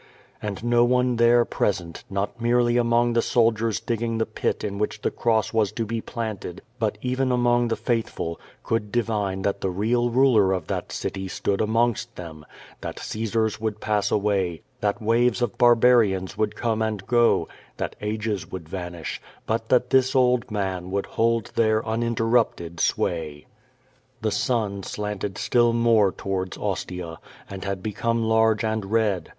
And no one there present, not merely among the soldiers digging the pit in which the cross was to be planted, but even among the faithful, could divine that the real ruler of that city stood amongst them; that Caesars would pass away, that waves of barbarians would come and go, that ages would vanish, but that this old man would hold there uninterrupted sway. The sun slanted still more towards Ostia, and had become large and red.